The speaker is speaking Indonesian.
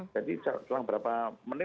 jadi selama berapa menit